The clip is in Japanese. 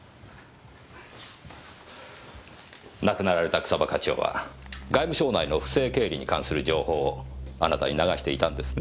亡くなられた草葉課長は外務省内の不正経理に関する情報をあなたに流していたんですね。